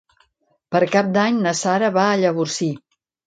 Per Cap d'Any na Sara va a Llavorsí.